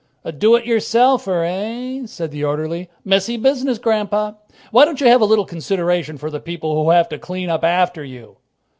"A do it yourselfer, eh?" said the orderly. "Messy business, Grandpa. Why don't you have a little consideration for the people who have to clean up after you?"